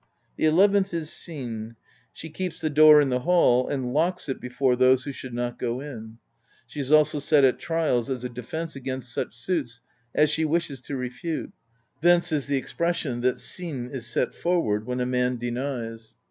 The eleventh is Syn: she keeps THE BEGUILING OF GYLFI 47 the door in the hall, and locks it before those who should not go in ; she is also set at trials as a defence against such suits as she wishes to refute: thence is the expression, that syn^ is set forward, when a man denies.